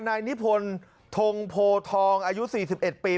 นายนิพนธ์ทงโพทองอายุ๔๑ปี